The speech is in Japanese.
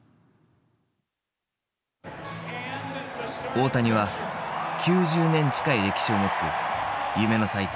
大谷は９０年近い歴史を持つ夢の祭典